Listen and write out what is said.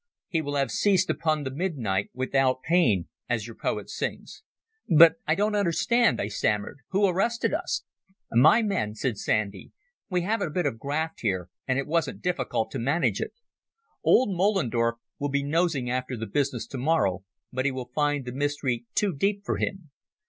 He will have ceased upon the midnight without pain, as your poet sings." "But I don't understand," I stammered. "Who arrested us?" "My men," said Sandy. "We have a bit of a graft here, and it wasn't difficult to manage it. Old Moellendorff will be nosing after the business tomorrow, but he will find the mystery too deep for him.